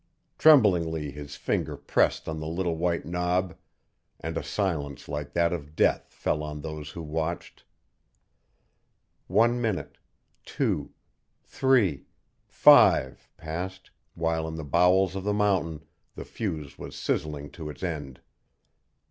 Tremblingly his finger pressed on the little white knob, and a silence like that of death fell on those who watched. One minute two three five passed, while in the bowels of the mountain the fuse was sizzling to its end.